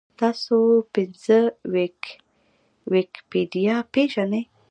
تاسو پښتو ویکیپېډیا پېژنۍ؟